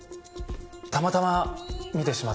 たまたま見てしまったんですが。